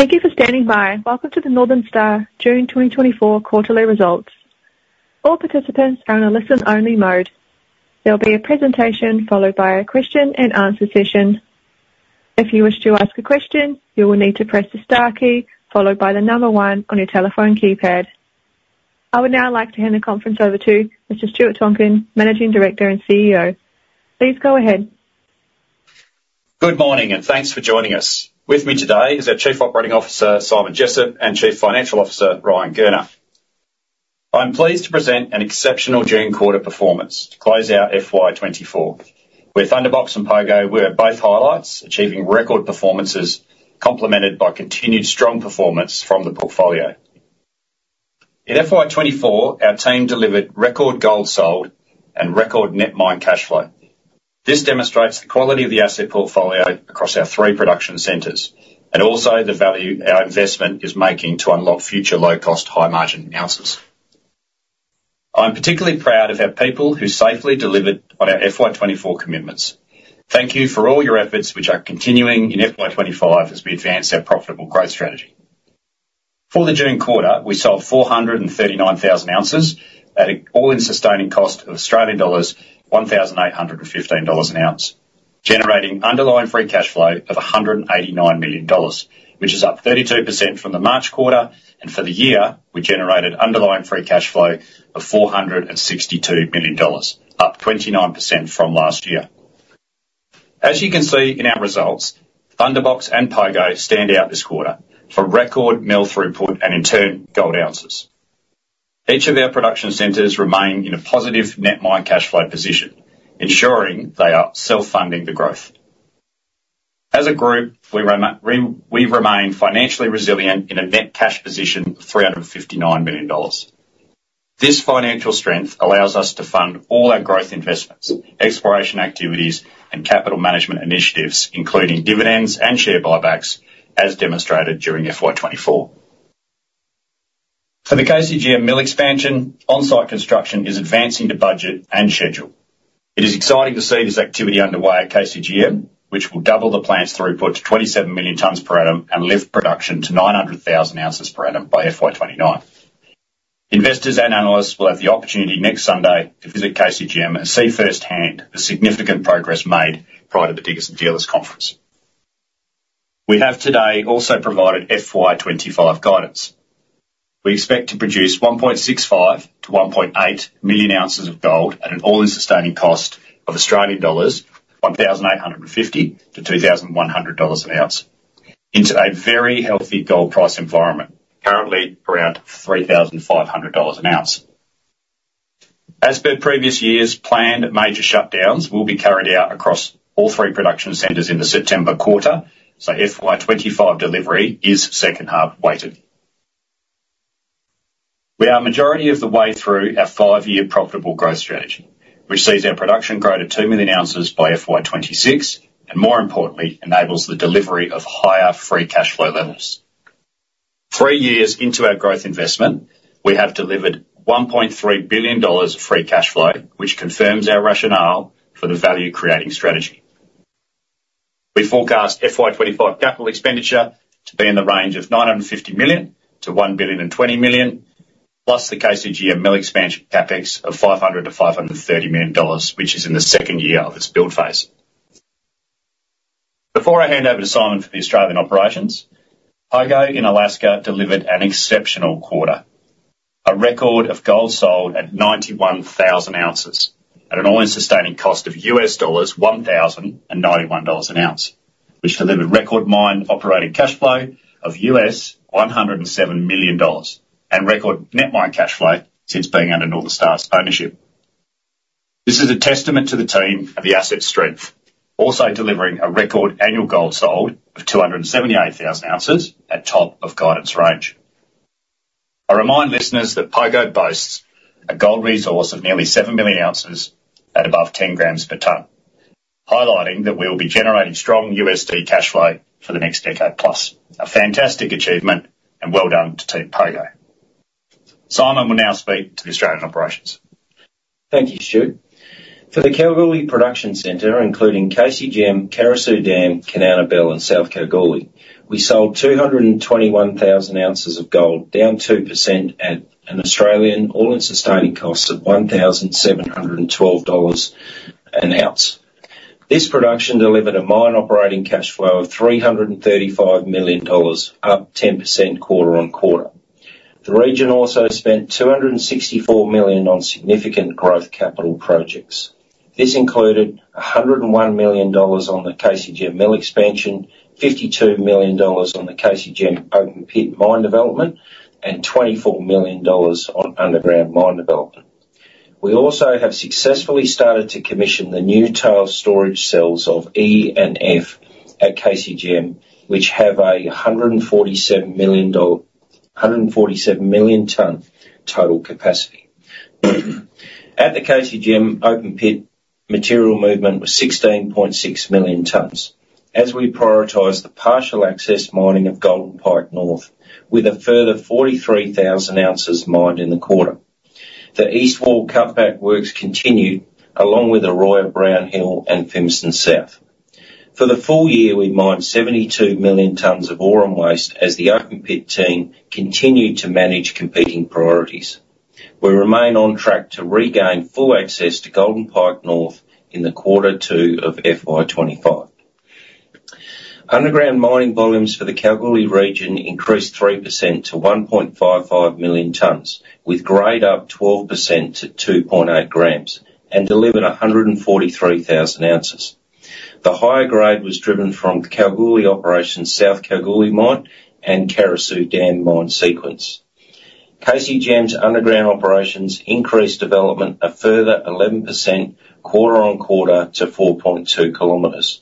Thank you for standing by. Welcome to the Northern Star June 2024 quarterly results. All participants are in a listen-only mode. There will be a presentation followed by a question-and-answer session. If you wish to ask a question, you will need to press the star key followed by the number one on your telephone keypad. I would now like to hand the conference over to Mr. Stuart Tonkin, Managing Director and CEO. Please go ahead. Good morning, and thanks for joining us. With me today is our Chief Operating Officer, Simon Jessop, and Chief Financial Officer, Ryan Gurner. I'm pleased to present an exceptional June quarter performance to close out FY2024. With Thunderbox and Pogo, we are both highlights, achieving record performances complemented by continued strong performance from the portfolio. In FY2024, our team delivered record gold sold and record net mine cash flow. This demonstrates the quality of the asset portfolio across our three production centers and also the value our investment is making to unlock future low-cost, high-margin ounces. I'm particularly proud of our people who safely delivered on our FY2024 commitments. Thank you for all your efforts, which are continuing in FY2025 as we advance our profitable growth strategy. For the June quarter, we sold 439,000 ounces, at an all-in sustaining cost of Australian dollars 1,815 an ounce, generating underlying free cash flow of 189 million dollars, which is up 32% from the March quarter. For the year, we generated underlying free cash flow of 462 million dollars, up 29% from last year. As you can see in our results, Thunderbox and Pogo stand out this quarter for record mill throughput and, in turn, gold ounces. Each of our production centres remains in a positive net mine cash flow position, ensuring they are self-funding the growth. As a group, we remain financially resilient in a net cash position of 359 million dollars. This financial strength allows us to fund all our growth investments, exploration activities, and capital management initiatives, including dividends and share buybacks, as demonstrated during FY2024. For the KCGM mill expansion, on-site construction is advancing to budget and schedule. It is exciting to see this activity underway at KCGM, which will double the plant's throughput to 27 million tons per annum and lift production to 900,000 ounces per annum by FY2029. Investors and analysts will have the opportunity next Sunday to visit KCGM and see firsthand the significant progress made prior to the Diggers and Dealers Conference. We have today also provided FY2025 guidance. We expect to produce 1.65-1.8 million ounces of gold at an all-in sustaining cost of Australian dollars 1,850 to AUD 2,100 an ounce into a very healthy gold price environment, currently around AUD 3,500 an ounce. As per previous years, planned major shutdowns will be carried out across all three production centers in the September quarter, so FY2025 delivery is second half weighted. We are majority of the way through our five-year profitable growth strategy, which sees our production grow to two million ounces by FY2026 and, more importantly, enables the delivery of higher free cash flow levels. Three years into our growth investment, we have delivered 1.3 billion dollars of free cash flow, which confirms our rationale for the value-creating strategy. We forecast FY2025 capital expenditure to be in the range of 950 million to 1 billion and 20 million, plus the KCGM mill expansion CapEx of 500 million to 530 million dollars, which is in the second year of its build phase. Before I hand over to Simon for the Australian operations, Pogo in Alaska delivered an exceptional quarter, a record of gold sold at 91,000 ounces at an all-in sustaining cost of $1,091 an ounce, which delivered record mine operating cash flow of $107 million and record net mine cash flow since being under Northern Star's ownership. This is a testament to the team and the asset strength, also delivering a record annual gold sold of 278,000 ounces at top of guidance range. I remind listeners that Pogo boasts a gold resource of nearly seven million ounces at above 10 grams per tonne, highlighting that we will be generating strong US dollar cash flow for the next decade plus. A fantastic achievement, and well done to Team Pogo. Simon will now speak to the Australian operations. Thank you, Stuart. For the Kalgoorlie Production Centre, including KCGM, Carosue Dam, Kanowna Belle, and South Kalgoorlie, we sold 221,000 ounces of gold, down 2% at an Australian all-in sustaining cost of 1,712 dollars an ounce. This production delivered a mine operating cash flow of 335 million dollars, up 10% quarter-over-quarter. The region also spent 264 million on significant growth capital projects. This included 101 million dollars on the KCGM mill expansion, 52 million dollars on the KCGM open pit mine development, and 24 million dollars on underground mine development. We also have successfully started to commission the new tailings storage cells of E and F at KCGM, which have a 147 million tonne total capacity. At the KCGM open pit, material movement was 16.6 million tonnes, as we prioritized the partial access mining of Golden Pike North, with a further 43,000 ounces mined in the quarter. The east wall cutback works continued, along with Oroya Brownhill and Fimiston South. For the full year, we mined 72 million tonnes of ore and waste as the open pit team continued to manage competing priorities. We remain on track to regain full access to Golden Pike North in quarter two of FY2025. Underground mining volumes for the Kalgoorlie region increased 3% to 1.55 million tonnes, with grade up 12% to 2.8 grams and delivered 143,000 ounces. The higher grade was driven from Kalgoorlie operations, South Kalgoorlie mine, and Carosue Dam mine sequence. KCGM's underground operations increased development a further 11% quarter-on-quarter to 4.2 kilometers.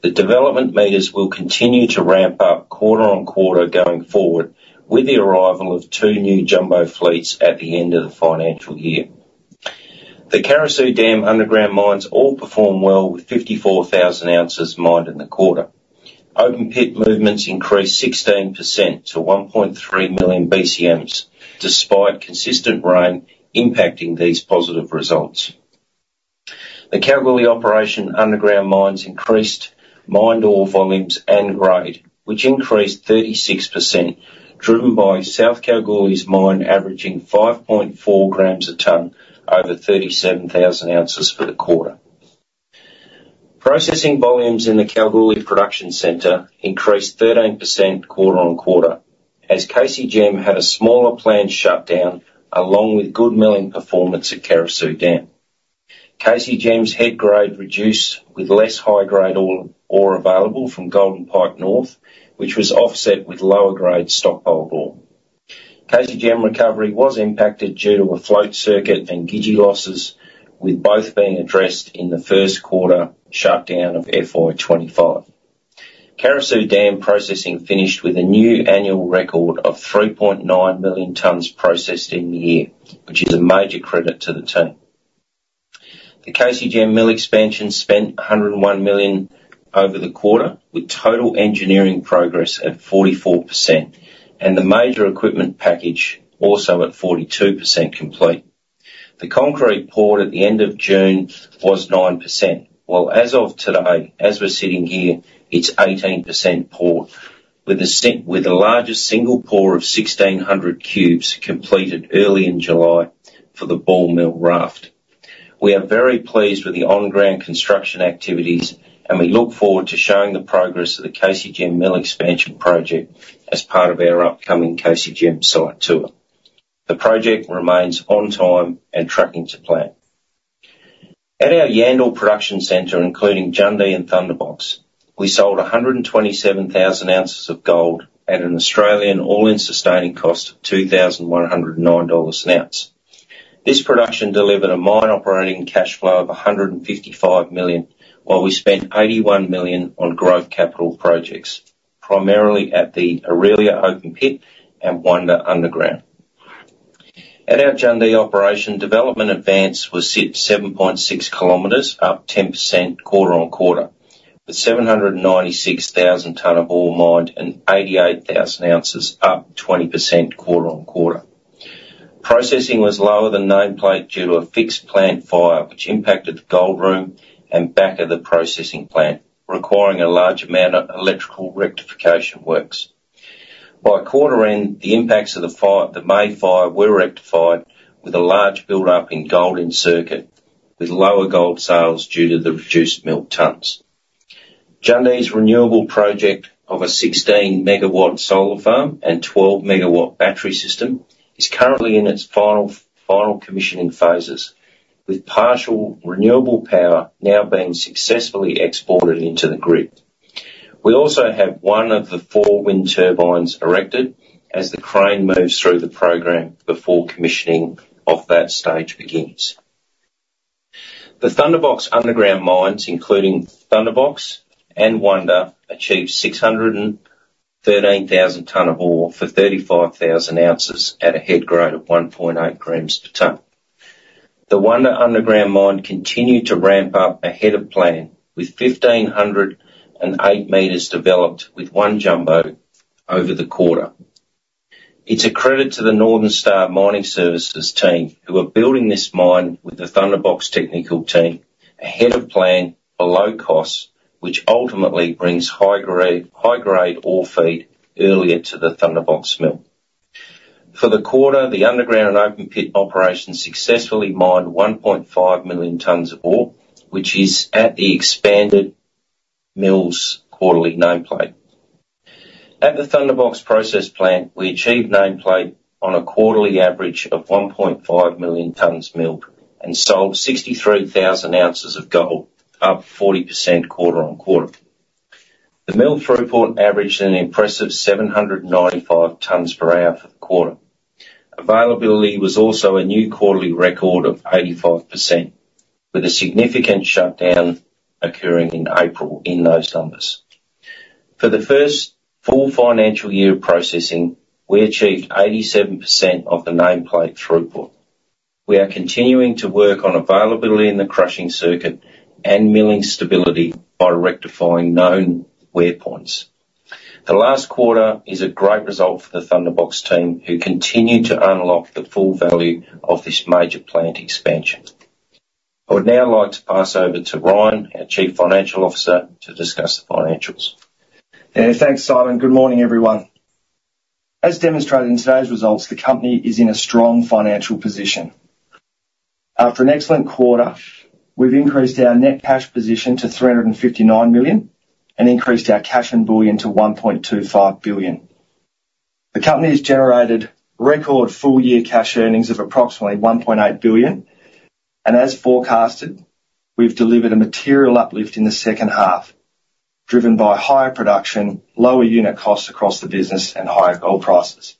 The development meters will continue to ramp up quarter-on-quarter going forward, with the arrival of two new jumbo fleets at the end of the financial year. The Carosue Dam underground mines all performed well, with 54,000 ounces mined in the quarter. Open pit movements increased 16% to 1.3 million BCMs, despite consistent rain impacting these positive results. The Kalgoorlie operation underground mines increased mined ore volumes and grade, which increased 36%, driven by South Kalgoorlie's mine averaging 5.4 grams a tonne over 37,000 ounces for the quarter. Processing volumes in the Kalgoorlie production centre increased 13% quarter on quarter, as KCGM had a smaller planned shutdown along with good milling performance at Carosue Dam. KCGM's head grade reduced with less high-grade ore available from Golden Pike North, which was offset with lower-grade stockpile ore. KCGM recovery was impacted due to a float circuit and Gidji losses, with both being addressed in the first quarter shutdown of FY2025. Carosue Dam processing finished with a new annual record of 3.9 million tonnes processed in the year, which is a major credit to the team. The KCGM mill expansion spent 101 million over the quarter, with total engineering progress at 44%, and the major equipment package also at 42% complete. The concrete pour at the end of June was 9%, while as of today, as we're sitting here, it's 18% pour, with the largest single pour of 1,600 cubes completed early in July for the ball mill raft. We are very pleased with the on-ground construction activities, and we look forward to showing the progress of the KCGM mill expansion project as part of our upcoming KCGM site tour. The project remains on time and tracking to plan. At our Yandal Production Centre, including Jundee and Thunderbox, we sold 127,000 ounces of gold at an Australian all-in sustaining cost of 2,109 dollars an ounce. This production delivered a mine operating cash flow of 155 million, while we spent 81 million on growth capital projects, primarily at the Orelia open pit and Wonder underground. At our Jundee operation, development advance was set to 7.6 kilometers, up 10% quarter-over-quarter, with 796,000 tonne of ore mined and 88,000 ounces up 20% quarter-over-quarter. Processing was lower than nameplate due to a fixed plant fire, which impacted the gold room and back of the processing plant, requiring a large amount of electrical rectification works. By quarter end, the impacts of the May fire were rectified, with a large build-up in gold in circuit, with lower gold sales due to the reduced mill tonnes. Jundee's renewable project of a 16 MW solar farm and 12 MW battery system is currently in its final commissioning phases, with partial renewable power now being successfully exported into the grid. We also have one of the four wind turbines erected as the crane moves through the program before commissioning of that stage begins. The Thunderbox underground mines, including Thunderbox and Wonder, achieved 613,000 tonne of ore for 35,000 ounces at a head grade of 1.8 grams per tonne. The Wonder underground mine continued to ramp up ahead of plan, with 1,508 meters developed with one jumbo over the quarter. It's a credit to the Northern Star Mining Services team, who are building this mine with the Thunderbox technical team ahead of plan for low cost, which ultimately brings high-grade ore feed earlier to the Thunderbox mill. For the quarter, the underground and open pit operations successfully mined 1.5 million tonnes of ore, which is at the expanded mill's quarterly nameplate. At the Thunderbox processing plant, we achieved nameplate on a quarterly average of 1.5 million tonnes milled and sold 63,000 ounces of gold, up 40% quarter-over-quarter. The mill throughput averaged an impressive 795 tonnes per hour for the quarter. Availability was also a new quarterly record of 85%, with a significant shutdown occurring in April in those numbers. For the first full financial year of processing, we achieved 87% of the nameplate throughput. We are continuing to work on availability in the crushing circuit and milling stability by rectifying known wear points. The last quarter is a great result for the Thunderbox team, who continue to unlock the full value of this major plant expansion. I would now like to pass over to Ryan, our Chief Financial Officer, to discuss the financials. Thanks, Simon. Good morning, everyone. As demonstrated in today's results, the company is in a strong financial position. After an excellent quarter, we've increased our net cash position to 359 million and increased our cash and bullion to 1.25 billion. The company has generated record full year cash earnings of approximately 1.8 billion, and as forecasted, we've delivered a material uplift in the second half, driven by higher production, lower unit costs across the business, and higher gold prices.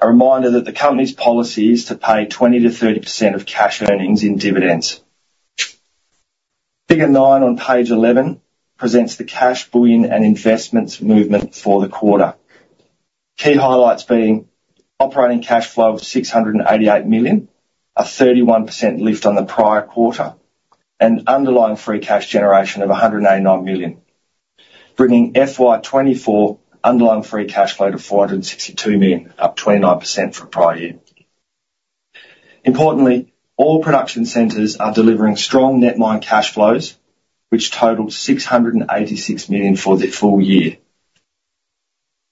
A reminder that the company's policy is to pay 20% to 30% of cash earnings in dividends. Figure 9 on page 11 presents the cash, bullion, and investments movement for the quarter, key highlights being operating cash flow of 688 million, a 31% lift on the prior quarter, and underlying free cash generation of 189 million, bringing FY2024 underlying free cash flow to 462 million, up 29% from prior year. Importantly, all production centres are delivering strong net mine cash flows, which totaled 686 million for the full year.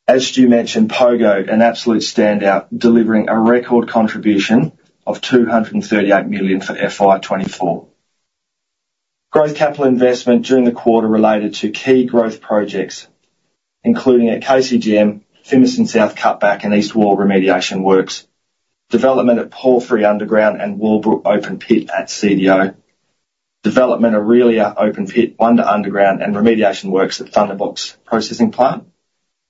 As Stu mentioned, Pogo, an absolute standout, delivering a record contribution of 238 million for FY2024. Growth capital investment during the quarter related to key growth projects, including at KCGM, Fimiston South cutback, and East Wall remediation works, development at Porphyry Underground and Wallbrook Open Pit at CDO, development Orelia Open Pit, Wonder Underground, and remediation works at Thunderbox processing plant,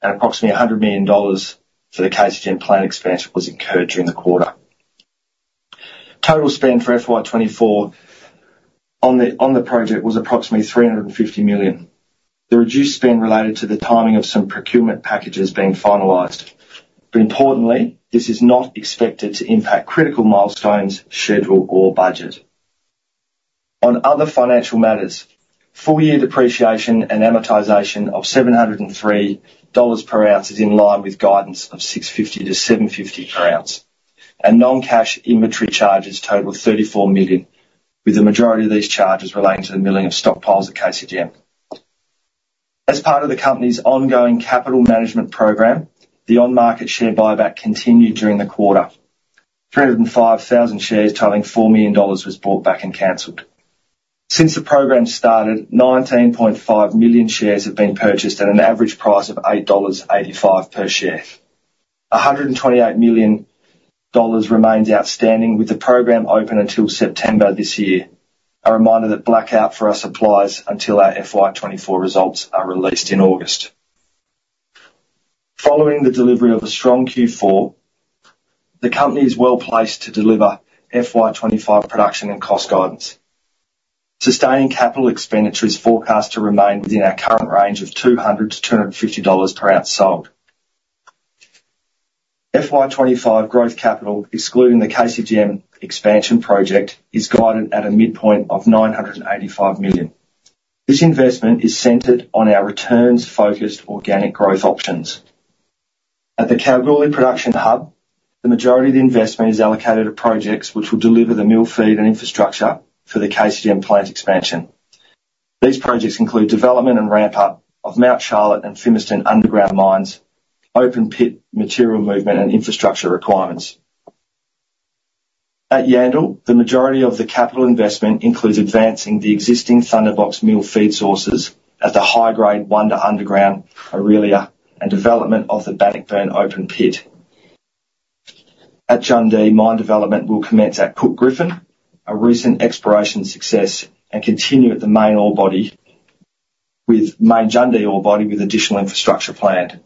and approximately 100 million dollars for the KCGM plant expansion was incurred during the quarter. Total spend for FY2024 on the project was approximately 350 million. The reduced spend related to the timing of some procurement packages being finalized. But importantly, this is not expected to impact critical milestones, schedule, or budget. On other financial matters, full year depreciation and amortization of AUD 703 per ounce is in line with guidance of AUD 650 to AUD 750 per ounce, and non-cash inventory charges total AUD 34 million, with the majority of these charges relating to the milling of stockpiles at KCGM. As part of the company's ongoing capital management program, the on-market share buyback continued during the quarter. 305,000 shares totaling 4 million dollars was bought back and cancelled. Since the program started, 19.5 million shares have been purchased at an average price of 8.85 dollars per share. 128 million dollars remains outstanding, with the program open until September this year. A reminder that blackout for us applies until our FY2024 results are released in August. Following the delivery of a strong Q4, the company is well placed to deliver FY2025 production and cost guidance. Sustaining capital expenditures forecast to remain within our current range of $200 to $250 per ounce sold. FY2025 growth capital, excluding the KCGM expansion project, is guided at a midpoint of 985 million. This investment is centered on our returns-focused organic growth options. At the Kalgoorlie production hub, the majority of the investment is allocated to projects which will deliver the mill feed and infrastructure for the KCGM plant expansion. These projects include development and ramp-up of Mount Charlotte and Fimiston underground mines, open pit material movement, and infrastructure requirements. At Yandal, the majority of the capital investment includes advancing the existing Thunderbox mill feed sources at the high-grade Wonder underground, Orelia, and development of the Bannockburn open pit. At Jundee, mine development will commence at Cook-Griffin, a recent exploration success, and continue at the main Jundee ore body with additional infrastructure planned.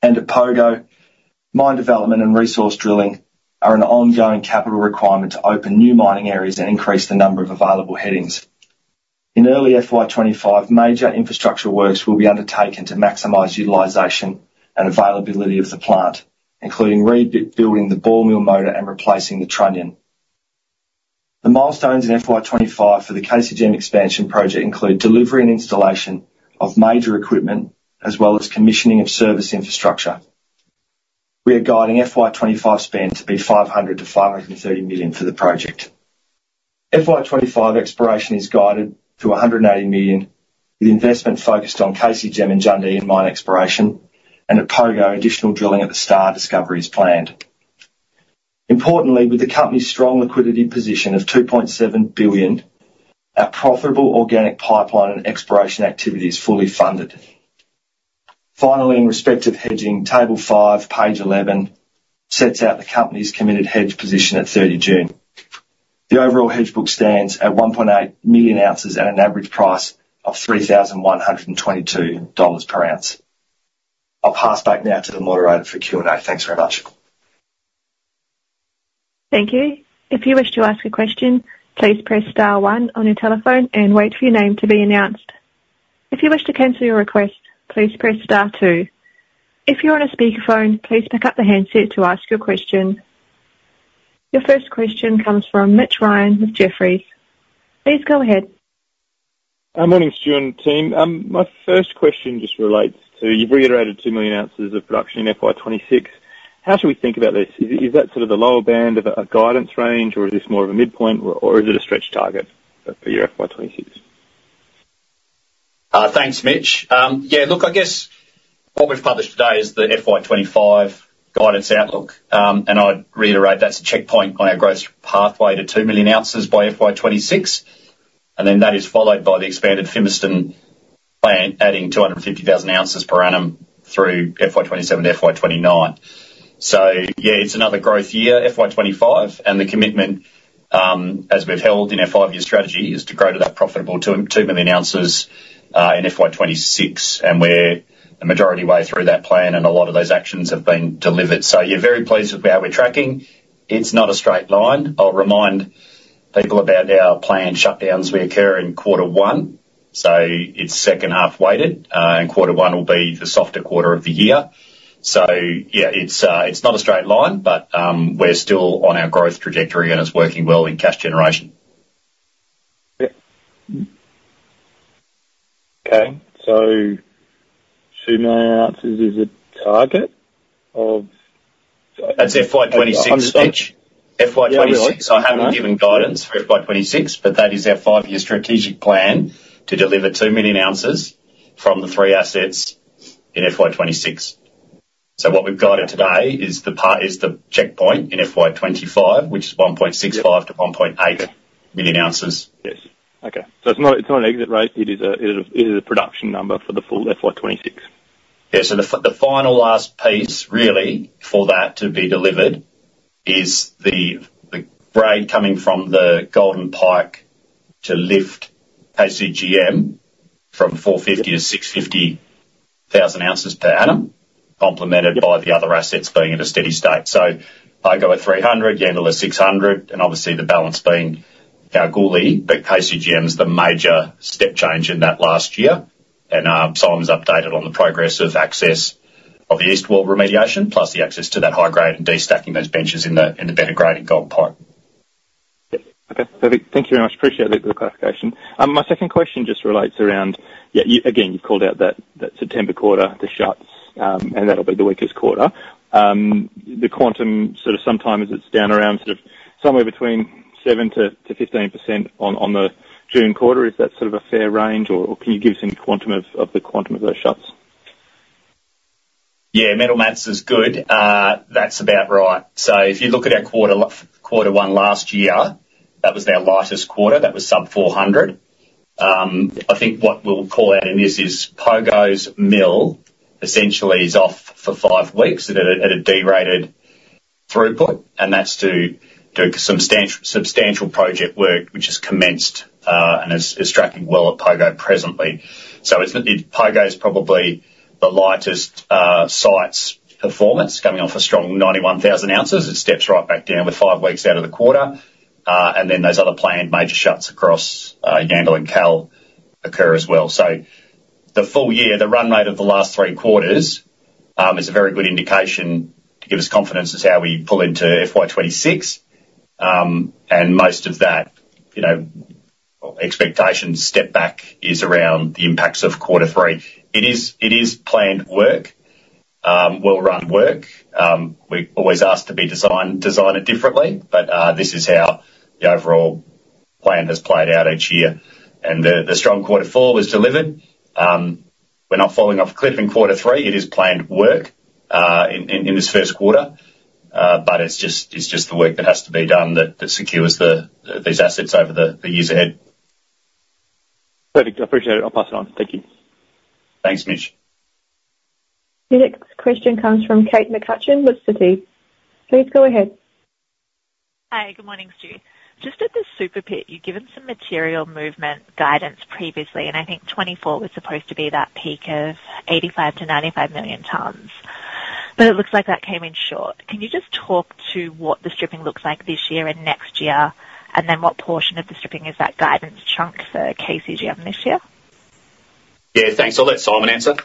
At Pogo, mine development and resource drilling are an ongoing capital requirement to open new mining areas and increase the number of available headings. In early FY2025, major infrastructure works will be undertaken to maximize utilization and availability of the plant, including rebuilding the ball mill motor and replacing the trunnion. The milestones in FY2025 for the KCGM expansion project include delivery and installation of major equipment, as well as commissioning of service infrastructure. We are guiding FY2025 spend to be 500 to 530 million for the project. FY2025 exploration is guided to 180 million, with investment focused on KCGM and Jundee in mine exploration, and at Pogo, additional drilling at the Star Discovery is planned. Importantly, with the company's strong liquidity position of 2.7 billion, our profitable organic pipeline and exploration activity is fully funded. Finally, in respective hedging, table 5, page 11 sets out the company's committed hedge position at 30 June. The overall hedge book stands at 1.8 million at an average price of $3,122 per ounce. I'll pass back now to the moderator for Q&A. Thanks very much. Thank you. If you wish to ask a question, please press star one on your telephone and wait for your name to be announced. If you wish to cancel your request, please press star two. If you're on a speakerphone, please pick up the handset to ask your question. Your first question comes from Mitch Ryan with Jefferies. Please go ahead. Good morning, Stu and team. My first question just relates to you've reiterated $2 million of production in FY2026. How should we think about this? Is that sort of the lower band of a guidance range, or is this more of a midpoint, or is it a stretch target for your FY2026? Thanks, Mitch. Yeah, look, I guess what we've published today is the FY2025 guidance outlook, and I'd reiterate that's a checkpoint on our growth pathway to two million by FY26, and then that is followed by the expanded Fimiston plant, adding 250,000 per annum through FY2027 to FY2029. So yeah, it's another growth year, FY2025, and the commitment, as we've held in our five-year strategy, is to grow to that profitable two million in FY2026, and we're a majority way through that plan, and a lot of those actions have been delivered. So yeah, very pleased with how we're tracking. It's not a straight line. I'll remind people about our planned shutdowns. We occur in quarter one, so it's second half weighted, and quarter one will be the softer quarter of the year. So yeah, it's not a straight line, but we're still on our growth trajectory, and it's working well in cash generation. Okay. So 2 million is a target of? That's FY2026. FY2026. I haven't given guidance for FY2026, but that is our five-year strategic plan to deliver two million ounces from the three assets in FY2026. So what we've guided today is the checkpoint in FY2025, which is 1.65 to 1.8 million ounces. Yes. Okay. So it's not an exit rate. It is a production number for the full FY2026. Yeah. So the final last piece, really, for that to be delivered is the grade coming from the Golden Pike to lift KCGM from 450,000 to 650,000 per annum, complemented by the other assets being in a steady state. So Pogo at 300,000, Yandal at $600,000, and obviously the balance being Kalgoorlie, but KCGM is the major step change in that last year, and Simon's updated on the progressive access of the East Wall remediation, plus the access to that high grade and destacking those benches in the better graded gold pipe. Okay. Perfect. Thank you very much. Appreciate the clarification. My second question just relates around, yeah, again, you've called out that September quarter, the shuts, and that'll be the weakest quarter. The quantum sort of sometimes it's down around sort of somewhere between 7% to 15% on the June quarter. Is that sort of a fair range, or can you give us any quantum of the quantum of those shuts? Yeah. Middle mass is good. That's about right. So if you look at our quarter one last year, that was our lightest quarter. That was sub-400. I think what we'll call out in this is Pogo's mill essentially is off for five weeks at a derated throughput, and that's to do substantial project work, which has commenced and is tracking well at Pogo presently. So Pogo's probably the lightest site's performance coming off a strong 91,000 ounces. It steps right back down with five weeks out of the quarter, and then those other planned major shuts across Yandal and Kal occur as well. So the full year, the run rate of the last three quarters is a very good indication to give us confidence as to how we pull into FY2026, and most of that expectation step back is around the impacts of quarter three. It is planned work, well-run work. We're always asked to design it differently, but this is how the overall plan has played out each year, and the strong quarter four was delivered. We're not falling off a cliff in quarter three. It is planned work in this first quarter, but it's just the work that has to be done that secures these assets over the years ahead. Perfect. Appreciate it. I'll pass it on. Thank you. Thanks, Mitch. The next question comes from Kate McCutcheon with Citi. Please go ahead. Hi. Good morning, Stu. Just at the Super Pit, you've given some material movement guidance previously, and I think 2024 was supposed to be that peak of 85-95 million tons, but it looks like that came in short. Can you just talk to what the stripping looks like this year and next year, and then what portion of the stripping is that guidance chunk for KCGM this year? Yeah. Thanks. I'll let Simon answer.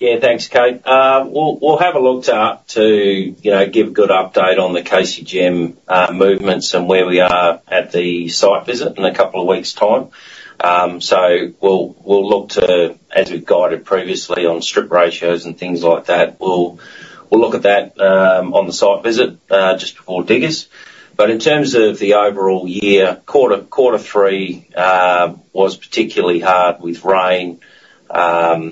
Yeah. Thanks, Kate. We'll have a look to give a good update on the KCGM movements and where we are at the site visit in a couple of weeks' time. So we'll look to, as we've guided previously on strip ratios and things like that, we'll look at that on the site visit just before diggers. But in terms of the overall year, quarter three was particularly hard with rain,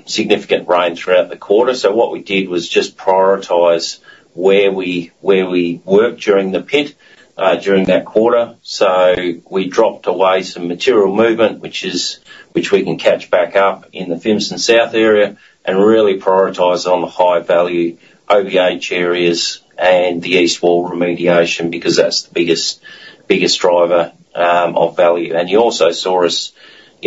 significant rain throughout the quarter. So what we did was just prioritize where we worked during the pit during that quarter. So we dropped away some material movement, which we can catch back up in the Fimiston South area, and really prioritize on the high-value OBH areas and the East Wall remediation because that's the biggest driver of value. You also saw us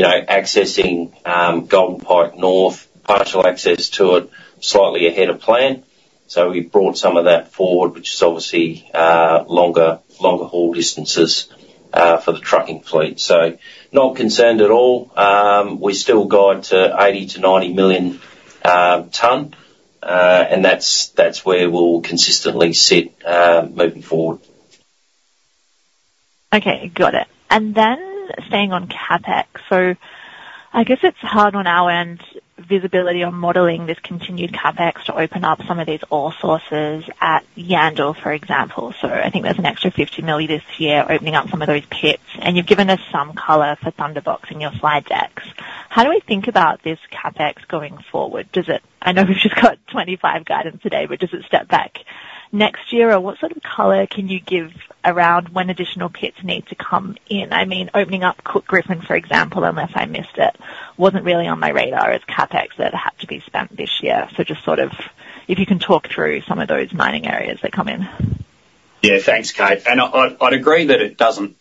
accessing Golden Pike North, partial access to it slightly ahead of plan. So we brought some of that forward, which is obviously longer haul distances for the trucking fleet. So not concerned at all. We still guide to $80 to $90 million ton, and that's where we'll consistently sit moving forward. Okay. Got it. And then staying on CapEx, so I guess it's hard on our end, visibility on modeling this continued CapEx to open up some of these ore sources at Yandal, for example. So I think there's an extra 50 million this year opening up some of those pits, and you've given us some color for Thunderbox in your slide decks. How do we think about this CapEx going forward? I know we've just got 2025 guidance today, but does it step back next year, or what sort of color can you give around when additional pits need to come in? I mean, opening up Cook-Griffin, for example, unless I missed it, wasn't really on my radar as CapEx that had to be spent this year. So just sort of if you can talk through some of those mining areas that come in. Yeah. Thanks, Kate. I'd agree that it doesn't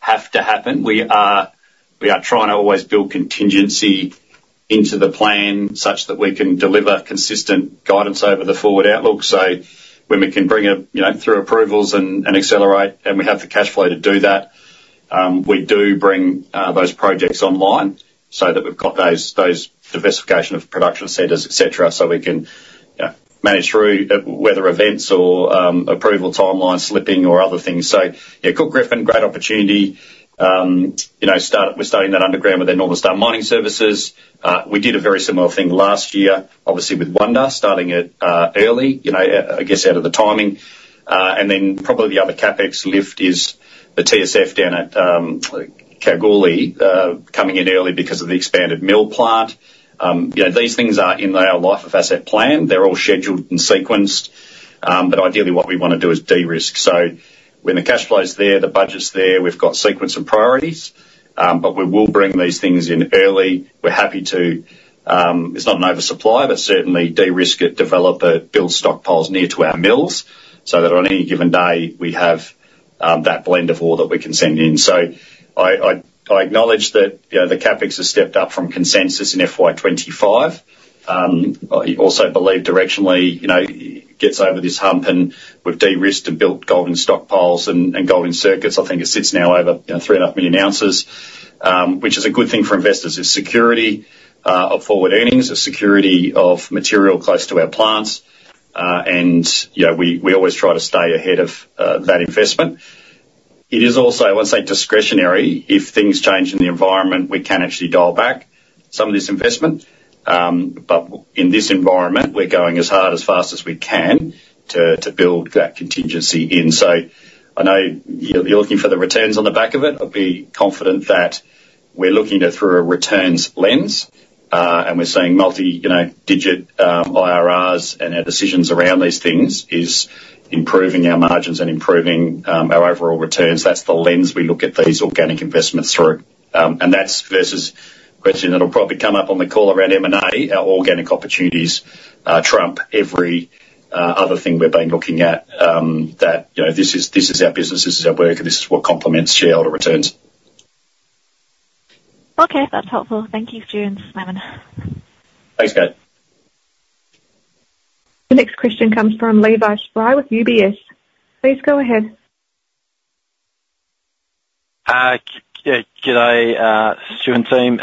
have to happen. We are trying to always build contingency into the plan such that we can deliver consistent guidance over the forward outlook. So when we can bring it through approvals and accelerate, and we have the cash flow to do that, we do bring those projects online so that we've got those diversification of production centres, etc., so we can manage through weather events or approval timelines slipping or other things. So yeah, Cook-Griffin, great opportunity. We're starting that underground with the Northern Star Mining Services. We did a very similar thing last year, obviously with Yandal starting it early, I guess out of the timing. And then probably the other CapEx lift is the TSF down at Kalgoorlie coming in early because of the expanded mill plant. These things are in our life of asset plan. They're all scheduled and sequenced, but ideally what we want to do is de-risk. So when the cash flow's there, the budget's there, we've got sequence and priorities, but we will bring these things in early. We're happy to, it's not an oversupply, but certainly de-risk it, develop it, build stockpiles near to our mills so that on any given day we have that blend of ore that we can send in. So I acknowledge that the CapEx has stepped up from consensus in FY2025. I also believe directionally it gets over this hump, and we've de-risked and built golden stockpiles and golden circuits. I think it sits now over 3.5 million ounces, which is a good thing for investors: security of forward earnings, a security of material close to our plants, and we always try to stay ahead of that investment. It is also, I would say, discretionary. If things change in the environment, we can actually dial back some of this investment, but in this environment, we're going as hard as fast as we can to build that contingency in. So I know you're looking for the returns on the back of it. I'd be confident that we're looking at it through a returns lens, and we're seeing multi-digit IRRs and our decisions around these things is improving our margins and improving our overall returns. That's the lens we look at these organic investments through. And that's versus a question that'll probably come up on the call around M&A, our organic opportunities trump every other thing we've been looking at, that this is our business, this is our work, and this is what complements shareholder returns. Okay. That's helpful. Thank you, Stu and Simon. Thanks, Kate. The next question comes from Levi Spry with UBS. Please go ahead. Good day, Stu and team.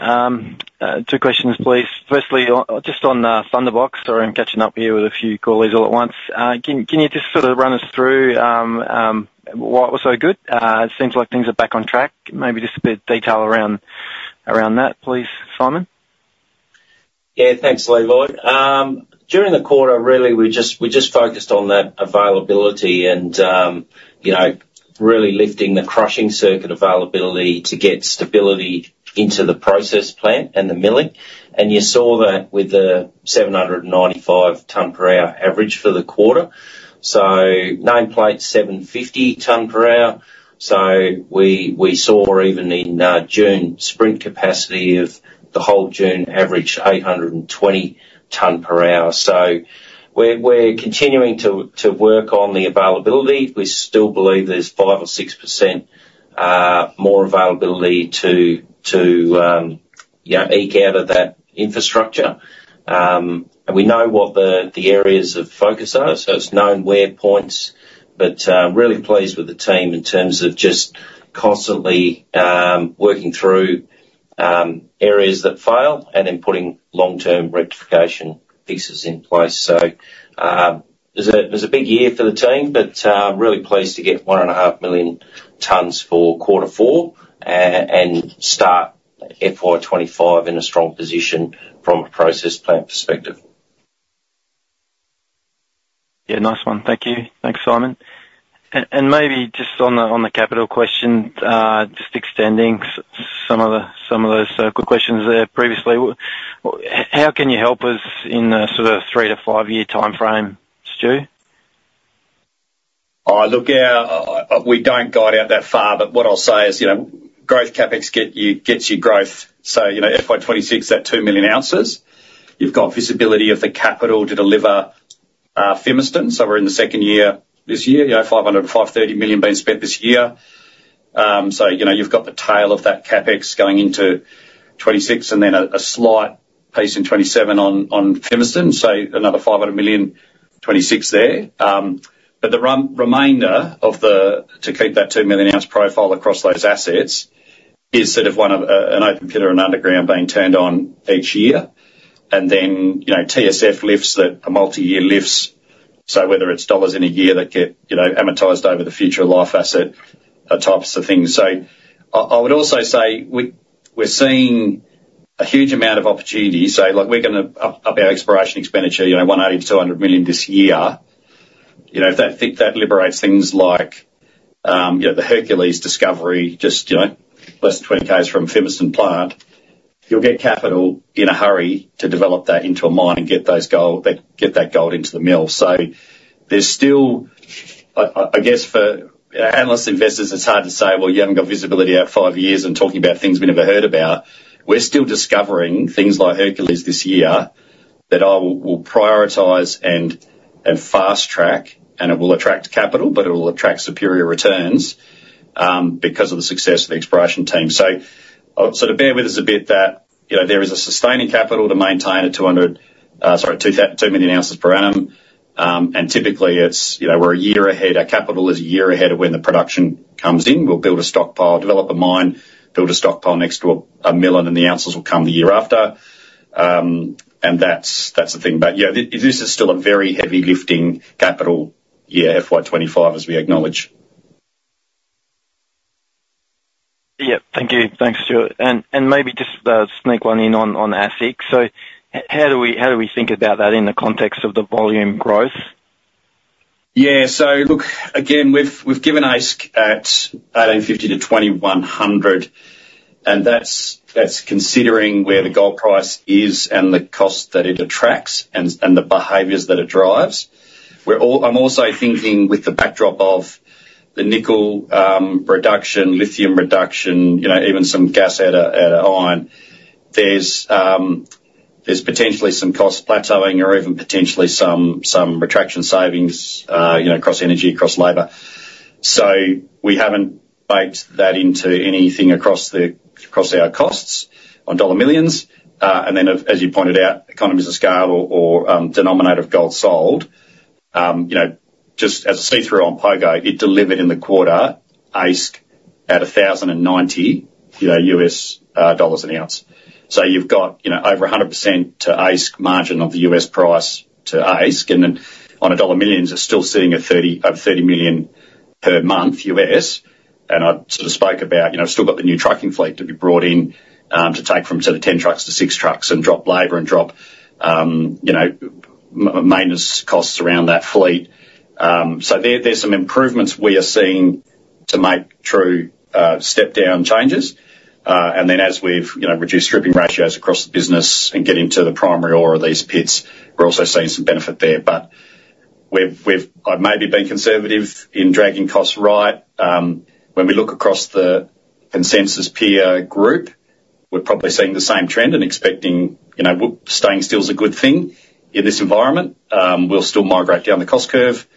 Two questions, please. Firstly, just on Thunderbox, sorry, I'm catching up with you with a few callers all at once. Can you just sort of run us through what was so good? It seems like things are back on track. Maybe just a bit of detail around that, please, Simon. Yeah. Thanks, Levi. During the quarter, really, we just focused on that availability and really lifting the crushing circuit availability to get stability into the process plant and the milling. And you saw that with the 795 tons per hour average for the quarter. So nameplate 750 tons per hour. So we saw even in June sprint capacity of the whole June average, 820 tons per hour. So we're continuing to work on the availability. We still believe there's five or six% more availability to eke out of that infrastructure. And we know what the areas of focus are, so it's known where points, but really pleased with the team in terms of just constantly working through areas that fail and then putting long-term rectification pieces in place. It was a big year for the team, but really pleased to get 1.5 million tons for quarter four and start FY2025 in a strong position from a process plant perspective. Yeah. Nice one. Thank you. Thanks, Simon. Maybe just on the capital question, just extending some of those quick questions there previously, how can you help us in the sort of three to five-year timeframe, Stu? Look, we don't guide out that far, but what I'll say is growth CapEx gets you growth. So FY2026 at two million ounces, you've got visibility of the capital to deliver Fimiston. So we're in the second year this year, 530 million being spent this year. So you've got the tail of that CapEx going into 2026 and then a slight piece in 2027 on Fimiston, so another 500 million 2026 there. But the remainder of the to keep that two million ounce profile across those assets is sort of an open pit or an underground being turned on each year, and then TSF lifts that, a multi-year lifts, so whether it's dollars in a year that get amortized over the future life asset types of things. So I would also say we're seeing a huge amount of opportunity. So we're going to up our exploration expenditure, 180 million to 200 million this year. If that liberates things like the Hercules discovery, just less than 20 km from Fimiston plant, you'll get capital in a hurry to develop that into a mine and get that gold into the mill. So there's still, I guess, for analysts, investors, it's hard to say, "Well, you haven't got visibility out five years and talking about things we never heard about." We're still discovering things like Hercules this year that I will prioritize and fast track, and it will attract capital, but it will attract superior returns because of the success of the exploration team. So sort of bear with us a bit that there is a sustaining capital to maintain a 200, sorry, two million ounces per annum, and typically it's we're a year ahead. Our capital is a year ahead of when the production comes in. We'll build a stockpile. Develop a mine, build a stockpile next to one million, and the ounces will come the year after. And that's the thing. But yeah, this is still a very heavy lifting capital year FY2025, as we acknowledge. Yeah. Thank you. Thanks, Stu. And maybe just sneak one in on assets. So how do we think about that in the context of the volume growth? Yeah. So look, again, we've given AISC at 1,850 to 2,100, and that's considering where the gold price is and the cost that it attracts and the behaviours that it drives. I'm also thinking with the backdrop of the nickel reduction, lithium reduction, even some gas out of iron, there's potentially some cost plateauing or even potentially some retraction savings across energy, across labour. So we haven't baked that into anything across our costs in dollar millions. And then, as you pointed out, economies of scale or denominator of gold sold, just as a see-through on Pogo, it delivered in the quarter AISC at $1,090 an ounce. So you've got over 100% to AISC margin of the US price to AISC, and then on dollar millions, it's still sitting at over $30 million per month US. I sort of spoke about we've still got the new trucking fleet to be brought in to take from sort of 10 trucks to 6 trucks and drop labor and drop maintenance costs around that fleet. So there's some improvements we are seeing to make true step-down changes. And then, as we've reduced stripping ratios across the business and get into the primary ore of these pits, we're also seeing some benefit there. But I've maybe been conservative in dragging costs right. When we look across the consensus peer group, we're probably seeing the same trend and expecting staying still is a good thing in this environment. We'll still migrate down the cost curve,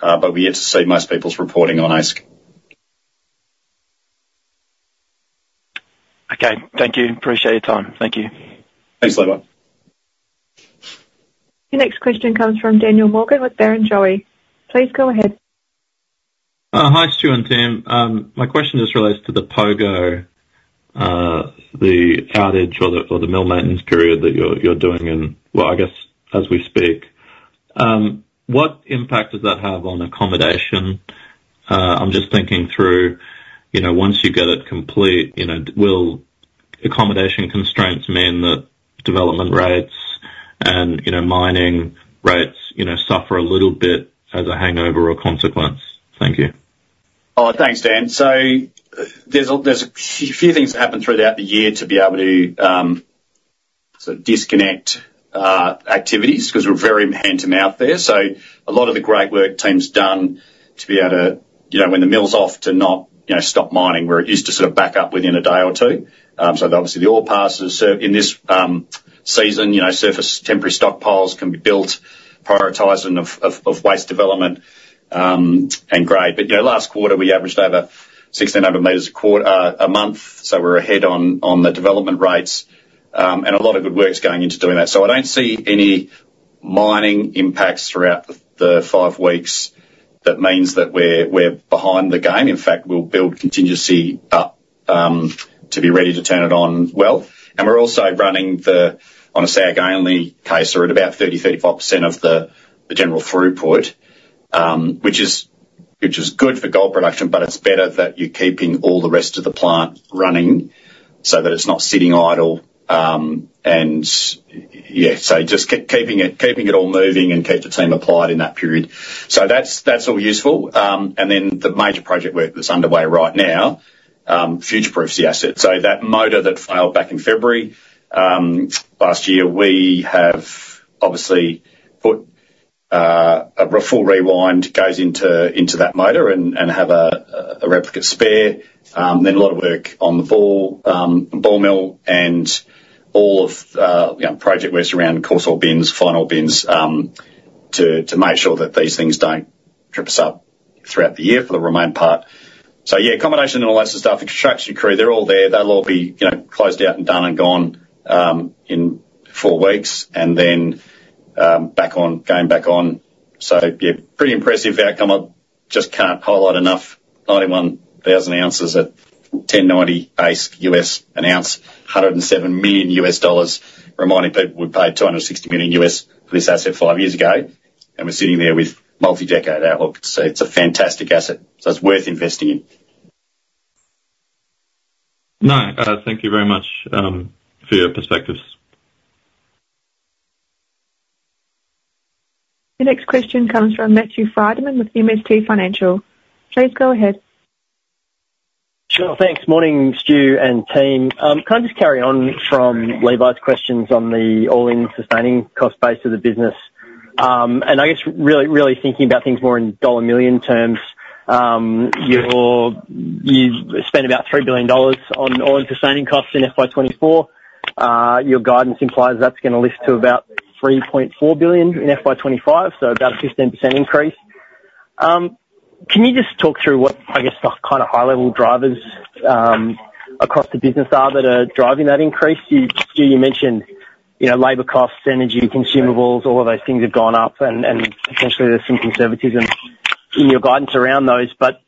but we have to see most people's reporting on AISC. Okay. Thank you. Appreciate your time. Thank you. Thanks, Levi. The next question comes from Daniel Morgan with Barrenjoey. Please go ahead. Hi, Stu and team. My question just relates to the Pogo, the outage or the mill maintenance period that you're doing in, well, I guess, as we speak. What impact does that have on accommodation? I'm just thinking through once you get it complete, will accommodation constraints mean that development rates and mining rates suffer a little bit as a hangover or consequence? Thank you. Oh, thanks, Dan. So there's a few things that happen throughout the year to be able to sort of disconnect activities because we're very hand-to-mouth there. So a lot of the great work team's done to be able to, when the mill's off, to not stop mining where it used to sort of back up within a day or two. So obviously, the ore passes in this season, surface temporary stockpiles can be built, prioritizing of waste development and grade. But last quarter, we averaged over 1,600 meters a month, so we're ahead on the development rates, and a lot of good work's going into doing that. So I don't see any mining impacts throughout the five weeks. That means that we're behind the game. In fact, we'll build contingency up to be ready to turn it on well. And we're also running on a SAG-only case, we're at about 30% to 35% of the general throughput, which is good for gold production, but it's better that you're keeping all the rest of the plant running so that it's not sitting idle. And yeah, so just keeping it all moving and keep the team employed in that period. So that's all useful. And then the major project work that's underway right now future-proofs the asset. So that motor that failed back in February last year, we have obviously put a full rewind on that motor and have a replica spare. Then a lot of work on the ball mill and all of project work around coarse ore bins, fine ore bins, to make sure that these things don't trip us up throughout the year for the remainder part. So yeah, accommodation and all that sort of stuff, the construction crew, they're all there. That'll all be closed out and done and gone in four weeks and then going back on. So yeah, pretty impressive outcome. I just can't highlight enough 91,000 ounces at $1,090 AISC US$ an ounce, $107 million, reminding people we paid $260 million for this asset five years ago, and we're sitting there with multi-decade outlook. So it's a fantastic asset. So it's worth investing in. No. Thank you very much for your perspectives. The next question comes from Matthew Frydman with MST Financial. Please go ahead. Sure. Thanks. Morning, Stu and team. Can I just carry on from Levi's questions on the all-in sustaining cost base of the business? And I guess really thinking about things more in dollar million terms, you spent about 3 billion dollars on all-in sustaining costs in FY2024. Your guidance implies that's going to lift to about 3.4 billion in FY2025, so about a 15% increase. Can you just talk through what, I guess, kind of high-level drivers across the business are that are driving that increase? Stu, you mentioned labor costs, energy, consumables, all of those things have gone up, and potentially there's some conservatism in your guidance around those. But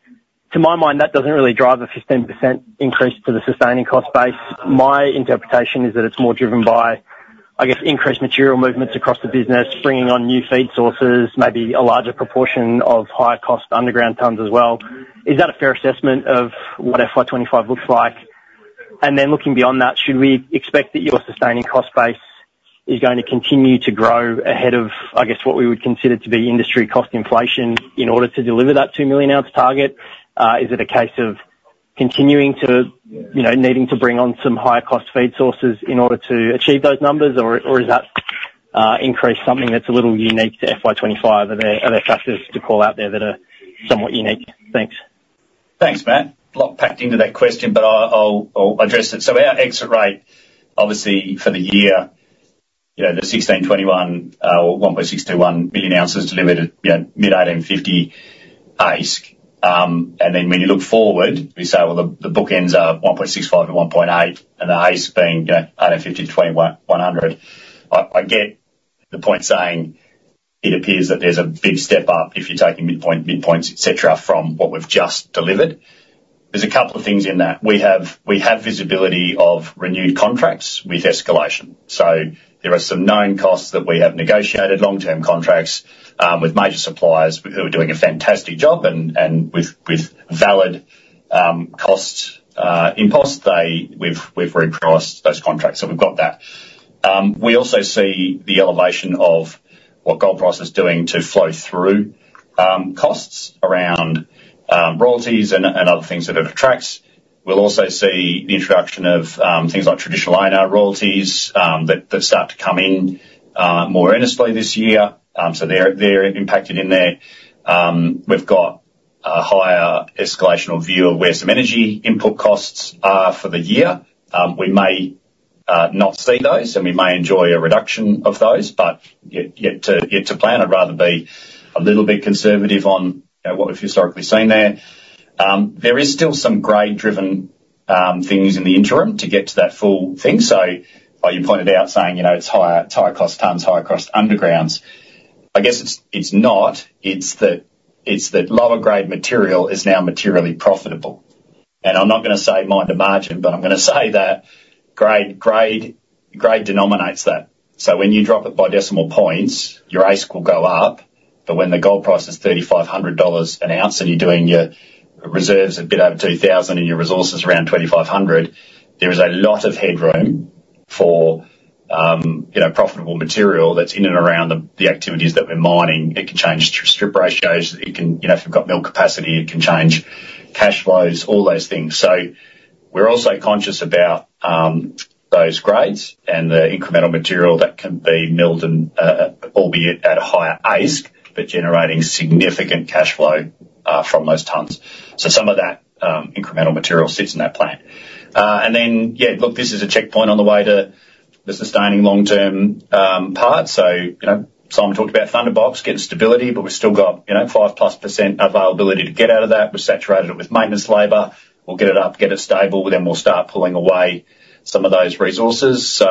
to my mind, that doesn't really drive a 15% increase to the sustaining cost base. My interpretation is that it's more driven by, I guess, increased material movements across the business, bringing on new feed sources, maybe a larger proportion of higher cost underground tons as well. Is that a fair assessment of what FY2025 looks like? And then looking beyond that, should we expect that your sustaining cost base is going to continue to grow ahead of, I guess, what we would consider to be industry cost inflation in order to deliver that two million ounce target? Is it a case of continuing to needing to bring on some higher cost feed sources in order to achieve those numbers, or is that increase something that's a little unique to FY2025? Are there factors to call out there that are somewhat unique? Thanks. Thanks, Matt. A lot packed into that question, but I'll address it. So our exit rate, obviously, for the year, the 1.621 million ounces delivered at mid-$1,850 AISC. And then when you look forward, we say, well, the bookends are 1.65 to 1.8 and the AISC being $1,850 to $2,100. I get the point saying it appears that there's a big step up if you're taking midpoint, midpoints, etc., from what we've just delivered. There's a couple of things in that. We have visibility of renewed contracts with escalation. So there are some known costs that we have negotiated, long-term contracts with major suppliers who are doing a fantastic job, and with valid cost impulse, we've recrossed those contracts. So we've got that. We also see the elevation of what gold price is doing to flow through costs around royalties and other things that it attracts. We'll also see the introduction of things like traditional NSR royalties that start to come in more earnestly this year. So they're impacted in there. We've got a higher escalation or view of where some energy input costs are for the year. We may not see those, and we may enjoy a reduction of those, but yet to plan. I'd rather be a little bit conservative on what we've historically seen there. There is still some grade-driven things in the interim to get to that full thing. So you pointed out saying it's higher cost tons, higher cost undergrounds. I guess it's not. It's that lower-grade material is now materially profitable. And I'm not going to say mind the margin, but I'm going to say that grade denominates that. So when you drop it by decimal points, your AISC will go up. But when the gold price is $3,500 an ounce and you're doing your reserves a bit over 2,000 and your resources around 2,500, there is a lot of headroom for profitable material that's in and around the activities that we're mining. It can change strip ratios. If you've got mill capacity, it can change cash flows, all those things. So we're also conscious about those grades and the incremental material that can be milled, albeit at a higher AISC, but generating significant cash flow from those tons. So some of that incremental material sits in that plant. And then, yeah, look, this is a checkpoint on the way to the sustaining long-term part. So Simon talked about Thunderbox, getting stability, but we've still got 5%+ availability to get out of that. We've saturated it with maintenance labour. We'll get it up, get it stable, then we'll start pulling away some of those resources. So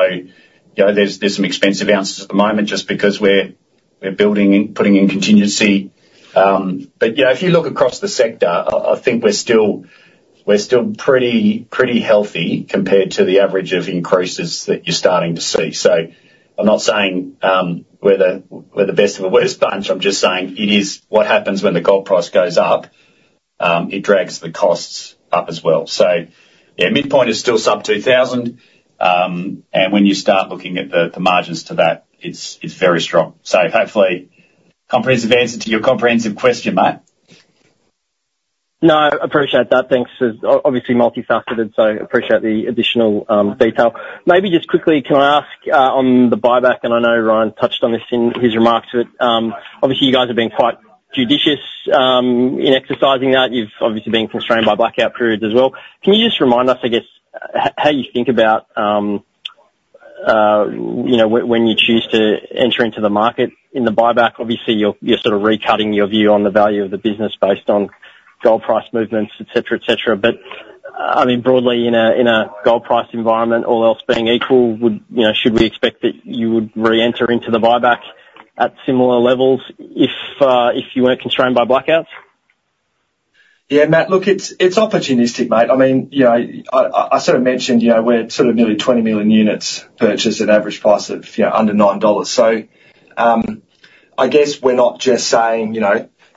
there's some expensive ounces at the moment just because we're putting in contingency. But if you look across the sector, I think we're still pretty healthy compared to the average of increases that you're starting to see. So I'm not saying we're the best of the worst bunch. I'm just saying it is what happens when the gold price goes up. It drags the costs up as well. So yeah, midpoint is still sub $2,000. And when you start looking at the margins to that, it's very strong. So hopefully, comprehensive answer to your comprehensive question, Matt. No. Appreciate that. Thanks. Obviously multifaceted, so appreciate the additional detail. Maybe just quickly, can I ask on the buyback? And I know Ryan touched on this in his remarks, but obviously you guys have been quite judicious in exercising that. You've obviously been constrained by blackout periods as well. Can you just remind us, I guess, how you think about when you choose to enter into the market in the buyback? Obviously, you're sort of recutting your view on the value of the business based on gold price movements, etc., etc. But I mean, broadly, in a gold price environment, all else being equal, should we expect that you would re-enter into the buyback at similar levels if you weren't constrained by blackouts? Yeah, Matt. Look, it's opportunistic, mate. I mean, I sort of mentioned we're sort of nearly 20 million units purchased at average price of under 9 dollars. So I guess we're not just saying,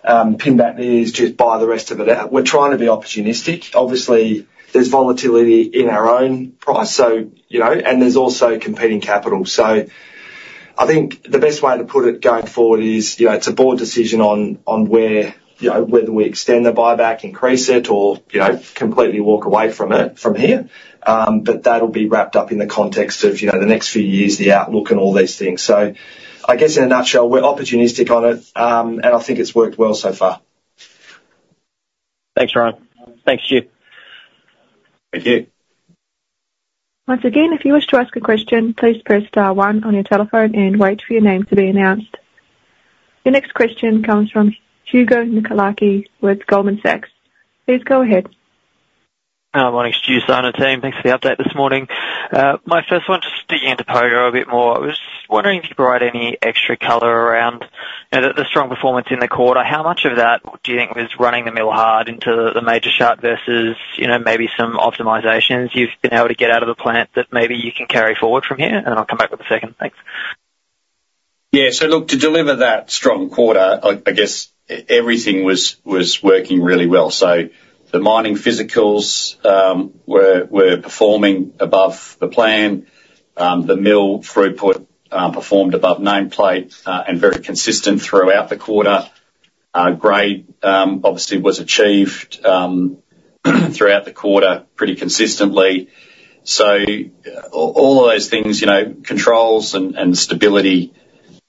"Pin that in the ears, just buy the rest of it out." We're trying to be opportunistic. Obviously, there's volatility in our own price, and there's also competing capital. So I think the best way to put it going forward is it's a board decision on whether we extend the buyback, increase it, or completely walk away from it from here. But that'll be wrapped up in the context of the next few years, the outlook, and all these things. So I guess in a nutshell, we're opportunistic on it, and I think it's worked well so far. Thanks, Ryan. Thanks, Stu. Thank you. Once again, if you wish to ask a question, please press star one on your telephone and wait for your name to be announced. The next question comes from Hugo Nicolaci with Goldman Sachs. Please go ahead. Morning, Stu and team. Thanks for the update this morning. My first one, just digging into POGO a bit more, I was wondering if you could provide any extra color around the strong performance in the quarter. How much of that do you think was running the mill hard into the major shot versus maybe some optimizations you've been able to get out of the plant that maybe you can carry forward from here? And then I'll come back with the second. Thanks. Yeah. So look, to deliver that strong quarter, I guess everything was working really well. So the mining physicals were performing above the plan. The mill throughput performed above nameplate and very consistent throughout the quarter. Grade obviously was achieved throughout the quarter pretty consistently. So all of those things, controls and stability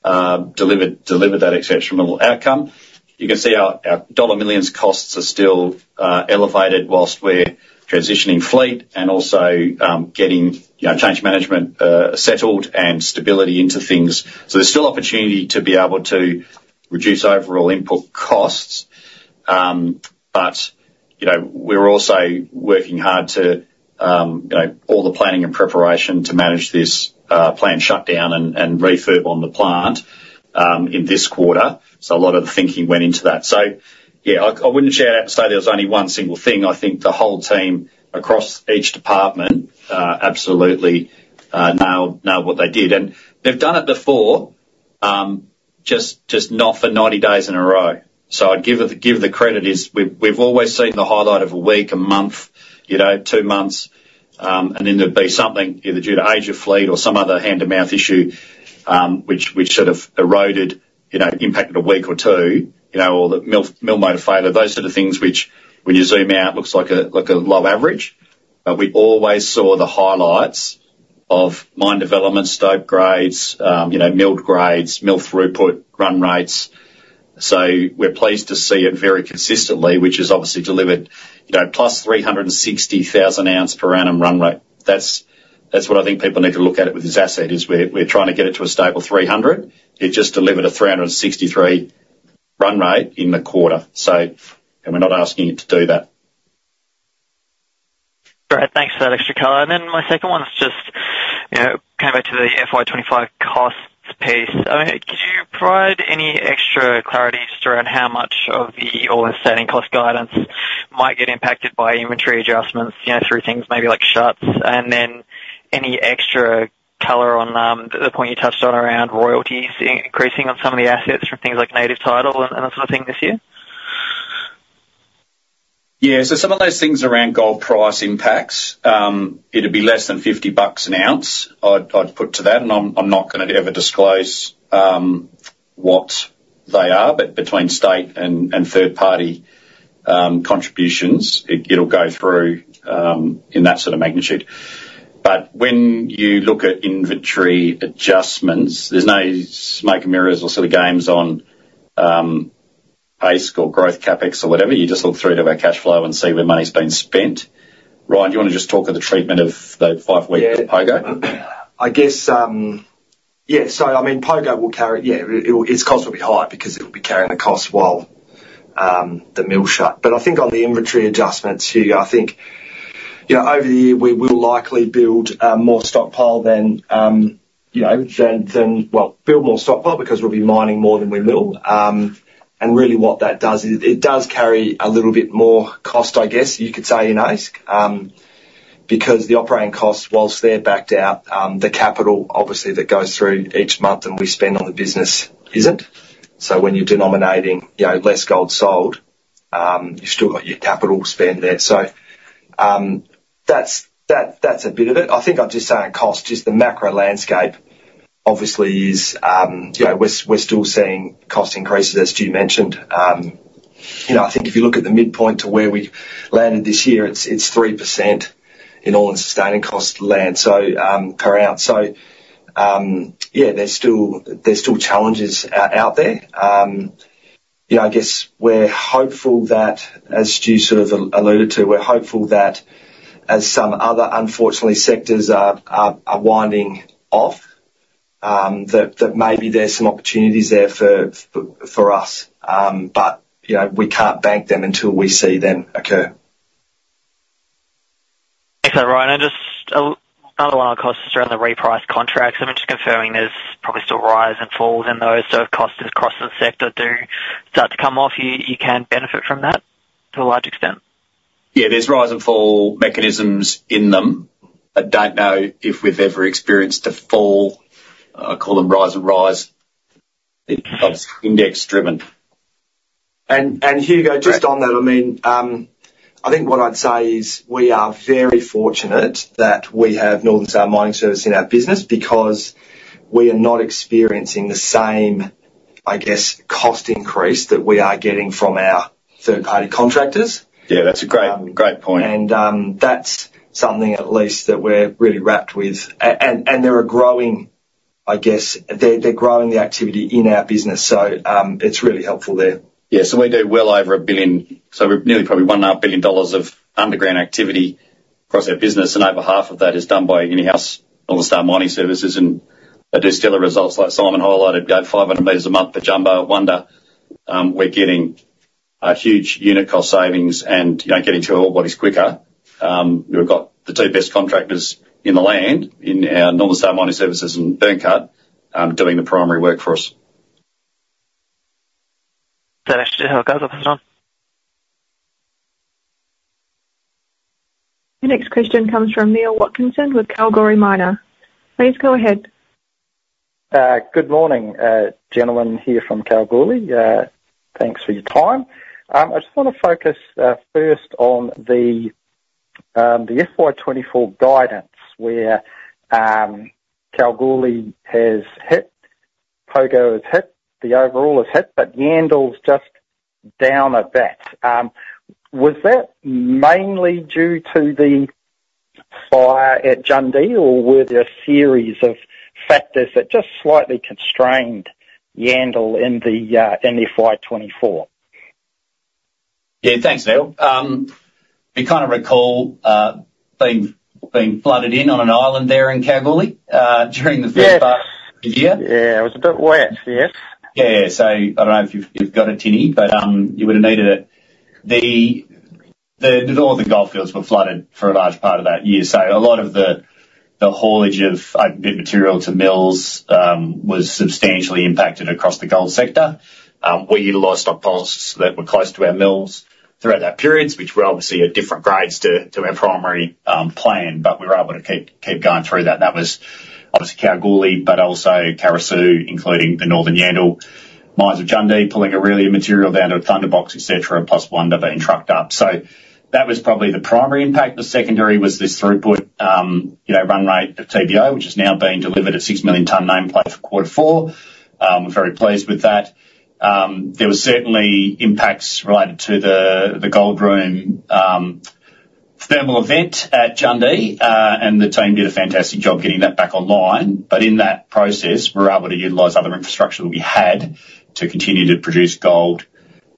delivered that exceptional outcome. You can see our dollar millions costs are still elevated while we're transitioning fleet and also getting change management settled and stability into things. So there's still opportunity to be able to reduce overall input costs. But we're also working hard to all the planning and preparation to manage this plant shutdown and refurb on the plant in this quarter. So a lot of the thinking went into that. So yeah, I wouldn't share that to say there was only one single thing. I think the whole team across each department absolutely nailed what they did. They've done it before, just not for 90 days in a row. So I'd give the credit as we've always seen the highlight of a week, a month, two months. Then there'd be something either due to age of fleet or some other hand-to-mouth issue which sort of eroded, impacted a week or two, or the mill motor failure, those sort of things which when you zoom out, looks like a low average. But we always saw the highlights of mine development, stoke grades, milled grades, mill throughput, run rates. So we're pleased to see it very consistently, which has obviously delivered +360,000 ounce per annum run rate. That's what I think people need to look at it with this asset is we're trying to get it to a stable 300. It just delivered a 363 run rate in the quarter. So we're not asking it to do that. Great. Thanks for that extra color. And then my second one is just coming back to the FY2025 cost piece. Could you provide any extra clarity just around how much of the all-in sustaining cost guidance might get impacted by inventory adjustments through things maybe like shutdowns? And then any extra color on the point you touched on around royalties increasing on some of the assets from things like native title and that sort of thing this year? Yeah. So some of those things around gold price impacts, it'd be less than $50 an ounce. I'd put to that. And I'm not going to ever disclose what they are, but between state and third-party contributions, it'll go through in that sort of magnitude. But when you look at inventory adjustments, there's no smoke and mirrors or sort of games on AISC or growth capex or whatever. You just look through to our cash flow and see where money's been spent. Ryan, do you want to just talk of the treatment of the 5-week Pogo? Yeah. I guess, yeah. So I mean, Pogo will carry yeah, its cost will be high because it will be carrying the cost while the mill shut. But I think on the inventory adjustments, I think over the year, we will likely build more stockpile than well, build more stockpile because we'll be mining more than we mill. And really what that does is it does carry a little bit more cost, I guess you could say, in AISC because the operating costs, while they're backed out, the capital obviously that goes through each month and we spend on the business isn't. So when you're denominating less gold sold, you've still got your capital spend there. So that's a bit of it. I think I'm just saying cost, just the macro landscape obviously is we're still seeing cost increases, as Stu mentioned. I think if you look at the midpoint to where we landed this year, it's 3% in all-in sustaining cost land per ounce. So yeah, there's still challenges out there. I guess we're hopeful that, as Stu sort of alluded to, we're hopeful that as some other unfortunate sectors are winding off, that maybe there's some opportunities there for us. But we can't bank them until we see them occur. Thanks there, Ryan. Just another one on costs around the reprice contracts. I'm just confirming there's probably still rise and falls in those. If costs across the sector do start to come off, you can benefit from that to a large extent. Yeah. There's rise and fall mechanisms in them. I don't know if we've ever experienced a fall. I call them rise and rise. It's obviously index-driven. And Hugo, just on that, I mean, I think what I'd say is we are very fortunate that we have Northern Star Mining Services in our business because we are not experiencing the same, I guess, cost increase that we are getting from our third-party contractors. Yeah. That's a great point. That's something at least that we're really rapt with. They're a growing, I guess, they're growing the activity in our business. It's really helpful there. Yeah. So we do well over 1 billion. So we're nearly probably 1.5 billion dollars of underground activity across our business. And over half of that is done by in-house Northern Star Mining Services. And there's still results like Simon highlighted, go 500 meters a month for jumbo, Wonder. We're getting huge unit cost savings and getting to ore bodies quicker. We've got the two best contractors in the land, in our Northern Star Mining Services and Byrnecut, doing the primary work for us. Thanks. Stu and Ryan. The next question comes from Neil Watkinson with Kalgoorlie Miner. Please go ahead. Good morning, gentlemen here from Kalgoorlie. Thanks for your time. I just want to focus first on the FY2024 guidance where Kalgoorlie has hit, Pogo has hit, the overall has hit, but Yandal's just down a bit. Was that mainly due to the fire at Jundee or were there a series of factors that just slightly constrained Yandal in the FY2024? Yeah. Thanks, Neil. We kind of recall being flooded in on an island there in Kalgoorlie during the first part of the year. Yeah. It was a bit wet, yes. Yeah. So I don't know if you've got it, tinny, but you would have needed it. The Goldfields were flooded for a large part of that year. So a lot of the haulage of open pit material to mills was substantially impacted across the gold sector. We utilized stockpiles that were close to our mills throughout that period, which were obviously at different grades to our primary plan, but we were able to keep going through that. That was obviously Kalgoorlie, but also Carosue, including the Northern Yandal mines of Jundee, pulling Orelia material down to a Thunderbox, etc., plus Wonder being trucked up. So that was probably the primary impact. The secondary was this throughput run rate of TBO, which is now being delivered at six million ton nameplate for quarter four. We're very pleased with that. There were certainly impacts related to the gold room thermal event at Jundee, and the team did a fantastic job getting that back online. But in that process, we were able to utilize other infrastructure that we had to continue to produce gold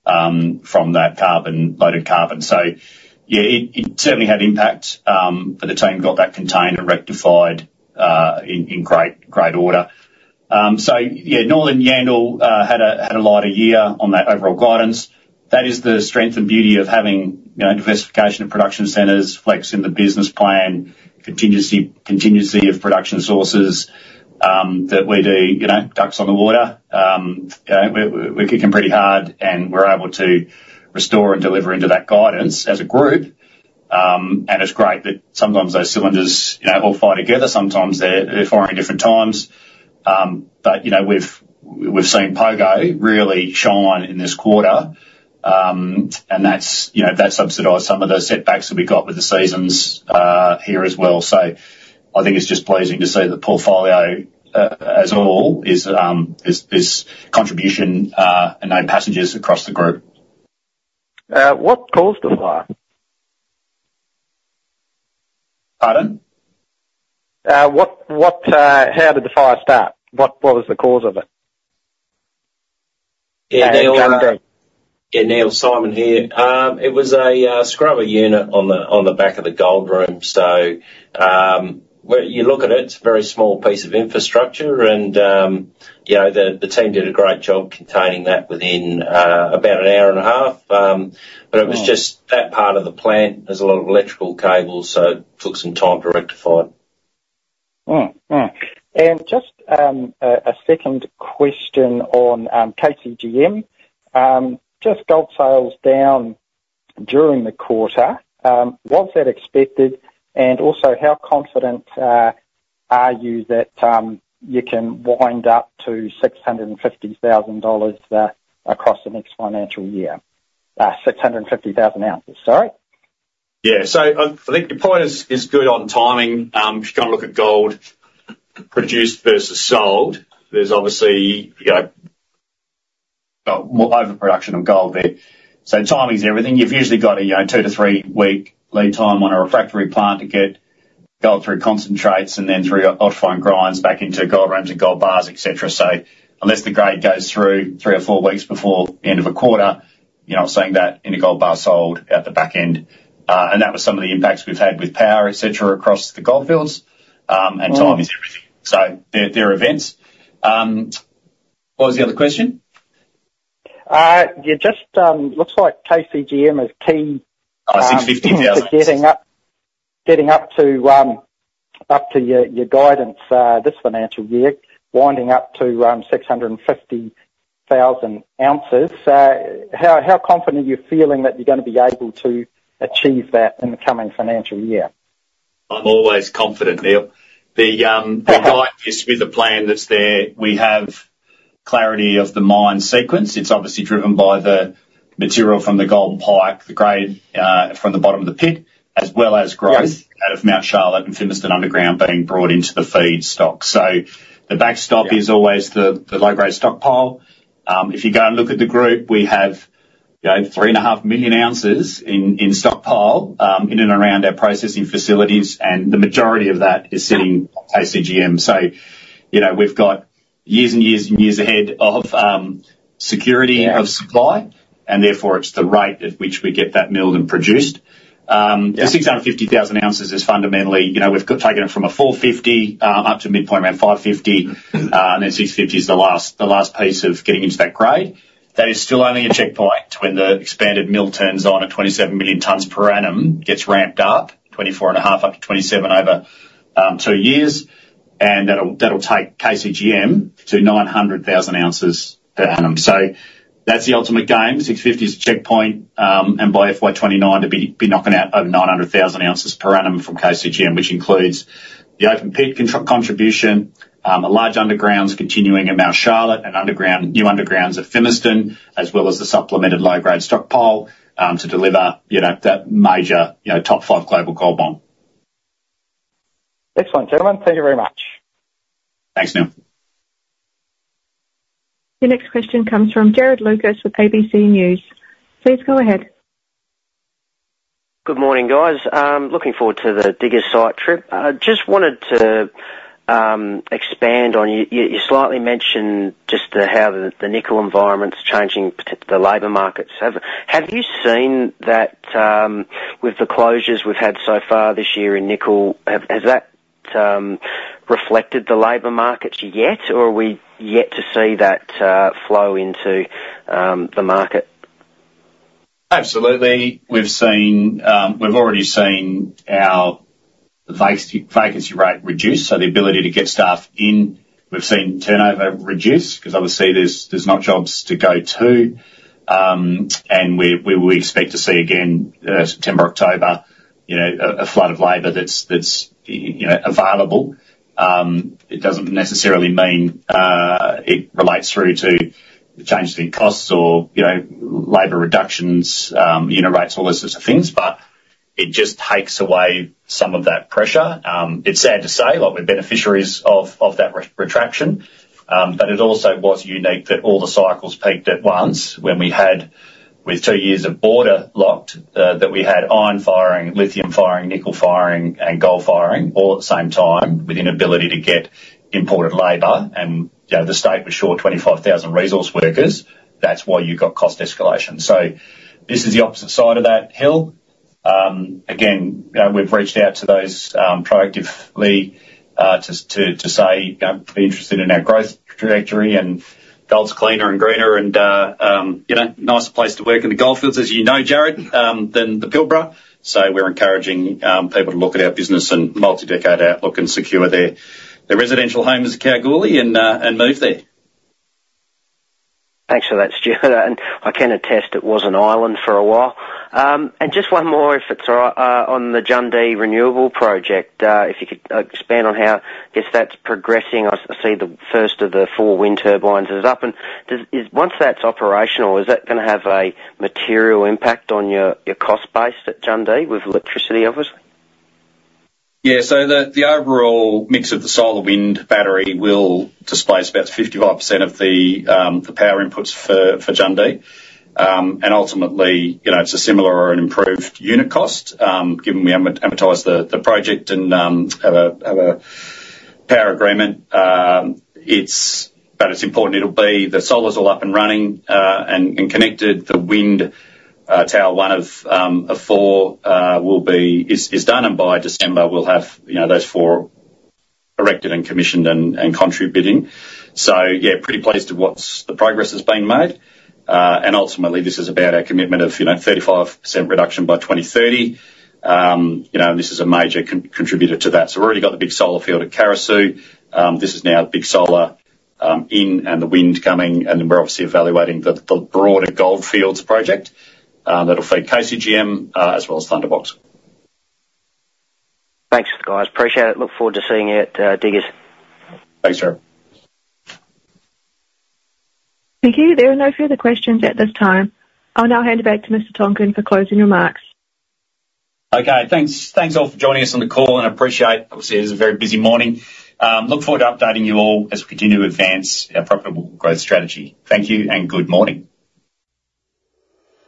from that carbon, loaded carbon. So yeah, it certainly had impact for the team to get that contained and rectified in great order. So yeah, Northern Yandal had a lighter year on that overall guidance. That is the strength and beauty of having diversification of production centers, flex in the business plan, contingency of production sources that we do ducks on the water. We're kicking pretty hard, and we're able to restore and deliver into that guidance as a group. And it's great that sometimes those cylinders all fire together. Sometimes they're firing at different times. But we've seen Pogo really shine in this quarter, and that's subsidized some of the setbacks that we got with the seasons here as well. So I think it's just pleasing to see the portfolio as a whole, with this contribution and no passengers across the group. What caused the fire? Pardon? How did the fire start? What was the cause of it? Yeah. Yeah. Neil, Simon here. It was a scrubber unit on the back of the gold room. So you look at it, it's a very small piece of infrastructure. And the team did a great job containing that within about an hour and a half. But it was just that part of the plant. There's a lot of electrical cables, so it took some time to rectify it. Just a second question on KCGM. Just gold sales down during the quarter. Was that expected? And also, how confident are you that you can wind up to 650,000 across the next financial year? 650,000, sorry. Yeah. So I think your point is good on timing. If you're going to look at gold produced versus sold, there's obviously more overproduction of gold there. So timing's everything. You've usually got a 2- to 3-week lead time on a refractory plant to get gold through concentrates and then through ultrafine grinds back into gold rooms and gold bars, etc. So unless the grade goes through three or four weeks before the end of a quarter, you're not seeing that in a gold bar sold at the back end. And that was some of the impacts we've had with power, etc., across the Goldfields. And timing's everything. So there are events. What was the other question? Yeah. Just looks like KCGM is key. Oh, 650,000. Getting up to your guidance this financial year, winding up to 650,000 ounces. How confident are you feeling that you're going to be able to achieve that in the coming financial year? I'm always confident, Neil. The guidance with the plan that's there, we have clarity of the mine sequence. It's obviously driven by the material from the Golden Pike, the grade from the bottom of the pit, as well as growth out of Mount Charlotte and Fimiston underground being brought into the feedstock. So the backstop is always the low-grade stockpile. If you go and look at the group, we have 3.5 million ounces in stockpile in and around our processing facilities. And the majority of that is sitting on KCGM. So we've got years and years and years ahead of security of supply. And therefore, it's the rate at which we get that milled and produced. The 650,000 ounces is fundamentally we've taken it from a 450 up to midpoint around 550. And then 650 is the last piece of getting into that grade. That is still only a checkpoint when the expanded mill turns on at 27 million tons per annum, gets ramped up, 24.5 up to 27 over two years. And that'll take KCGM to 900,000 ounces per annum. So that's the ultimate game. 650 is a checkpoint. And by FY 2029, it'd be knocking out over 900,000 ounces per annum from KCGM, which includes the open pit contribution, large undergrounds continuing at Mount Charlotte, and new undergrounds at Fimiston, as well as the supplemented low-grade stockpile to deliver that major top five global gold boom. Excellent, gentlemen. Thank you very much. Thanks, Neil. The next question comes from Jarrod Lucas with ABC News. Please go ahead. Good morning, guys. Looking forward to the Diggers site trip. Just wanted to expand on you slightly mentioned just how the nickel environment's changing the labor markets. Have you seen that with the closures we've had so far this year in nickel? Has that reflected the labor market yet, or are we yet to see that flow into the market? Absolutely. We've already seen our vacancy rate reduce. So the ability to get staff in, we've seen turnover reduce because obviously there's not jobs to go to. And we will expect to see again September, October a flood of labor that's available. It doesn't necessarily mean it relates through to changes in costs or labor reductions, unit rates, all those sorts of things. But it just takes away some of that pressure. It's sad to say, like we're beneficiaries of that retraction. But it also was unique that all the cycles peaked at once when we had, with two years of border locked, that we had iron firing, lithium firing, nickel firing, and gold firing all at the same time with inability to get imported labor. And the state was short 25,000 resource workers. That's why you got cost escalation. So this is the opposite side of that hill. Again, we've reached out to those proactively to say we're interested in our growth trajectory and gold's cleaner and greener and a nicer place to work in the Goldfields, as you know, Jared, than the Pilbara. So we're encouraging people to look at our business and multi-decade outlook and secure their residential homes at Kalgoorlie and move there. Thanks for that, Stuart. And I can attest it was an island for a while. And just one more, if it's all right, on the Jundee renewable project, if you could expand on how, I guess, that's progressing. I see the first of the four wind turbines is up. And once that's operational, is that going to have a material impact on your cost base at Jundee with electricity, obviously? Yeah. So the overall mix of the solar wind battery will displace about 55% of the power inputs for Jundee. And ultimately, it's a similar or an improved unit cost. Given we amortize the project and have a power agreement, but it's important it'll be the solar's all up and running and connected. The wind tower, one of four, is done. And by December, we'll have those four erected and commissioned and contributing. So yeah, pretty pleased with what the progress is being made. And ultimately, this is about our commitment of 35% reduction by 2030. And this is a major contributor to that. So we've already got the big solar field at Carosue. This is now big solar in and the wind coming. And then we're obviously evaluating the broader Goldfields project that'll feed KCGM as well as Thunderbox. Thanks, guys. Appreciate it. Look forward to seeing you at Diggers. Thanks, Jared. Thank you. There are no further questions at this time. I'll now hand it back to Mr. Tonkin for closing remarks. Okay. Thanks. Thanks all for joining us on the call. And appreciate, obviously, it was a very busy morning. Look forward to updating you all as we continue to advance our profitable growth strategy. Thank you and good morning.